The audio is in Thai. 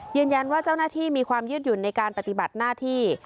เจ้าหน้าที่มีความยืดหยุ่นในการปฏิบัติหน้าที่